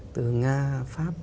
từ nga pháp